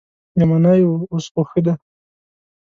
یمنی و اوس خو ښه دي.